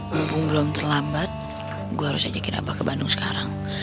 mumpung belum terlambat gua harus ajakin abah ke bandung sekarang